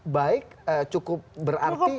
baik cukup berarti